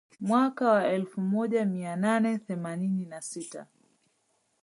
Mwaka wa elfu moja mia nane themanini na sita